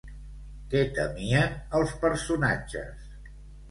Què temien els personatges?